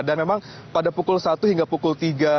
dan memang pada pukul satu hingga pukul tiga